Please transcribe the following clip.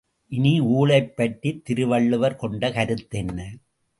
இனி, ஊழைப் பற்றித் திருவள்ளுவர் கொண்ட கருத்தென்ன?